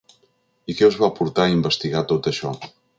I què us va portar a investigar tot això?